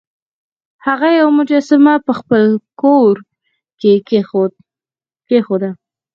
هغه یوه مجسمه په خپل کور کې کیښوده.